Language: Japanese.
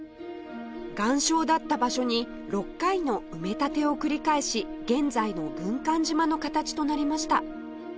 岩礁だった場所に６回の埋め立てを繰り返し現在の軍艦島の形となりました